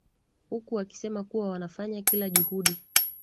huku wakisema kuwa wanafanya kila juhudi